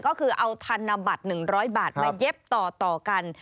ก็คือเอาธนบัตร๑๐๐บาทมาเย็บต่อกัน